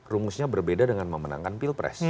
rumusnya berbeda dengan memenangkan pilpres